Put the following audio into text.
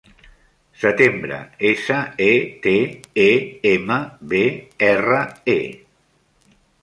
Setembre: essa, e, te, e, ema, be, erra, e.